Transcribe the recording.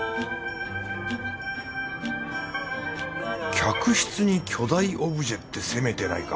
客室に巨大オブジェって攻めてないか？